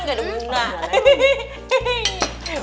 gak ada guna